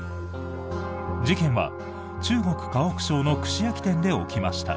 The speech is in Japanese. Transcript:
事件は中国・河北省の串焼き店で起きました。